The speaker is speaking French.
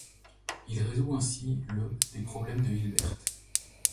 Il résout ainsi le des problèmes de Hilbert.